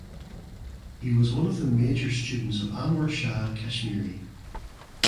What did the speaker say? He was one of the major students of Anwar Shah Kashmiri.